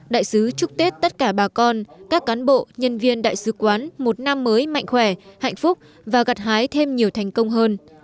đại sứ chúc tết tất cả bà con các cán bộ nhân viên đại sứ quán một năm mới mạnh khỏe hạnh phúc và gặt hái thêm nhiều thành công hơn